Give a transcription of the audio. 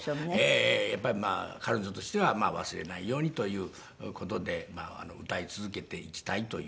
やっぱり彼女としては忘れないようにという事で歌い続けていきたいという。